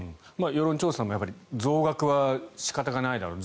世論調査も増額は仕方がないだろう